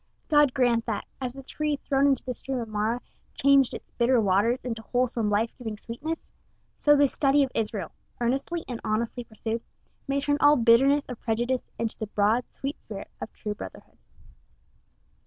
God grant that, as the tree thrown into the stream of Marah changed its bitter waters into wholesome, life giving sweetness, so this study of Israel, earnestly and honestly pursued, may turn all bitterness of prejudice into the broad, sweet spirit of true brotherhood!